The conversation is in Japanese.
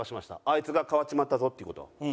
あいつが変わっちまったぞっていう事は。